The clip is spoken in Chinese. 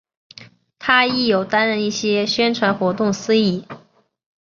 她亦有担任一些宣传活动司仪。